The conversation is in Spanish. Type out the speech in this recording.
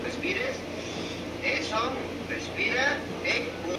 Agrupa a cuatro idiomas.